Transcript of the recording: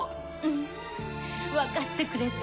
ん分かってくれた？